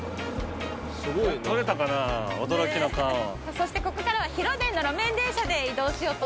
そしてここからは広電の路面電車で移動しようと思うんですが